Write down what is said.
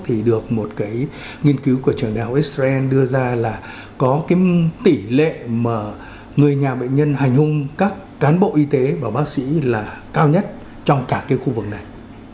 thì được một cái nghiên cứu của trường đại học israel đưa ra là có cái tỷ lệ mà người nhà bệnh nhân hành hung các cán bộ y tế và bác sĩ là cao nhất trong cả cái khu vực này